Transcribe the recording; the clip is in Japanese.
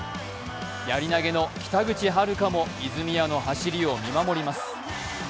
やり投の北口榛花も泉谷の走りを見守ります。